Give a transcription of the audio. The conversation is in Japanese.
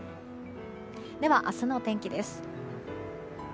では、明日の天気です。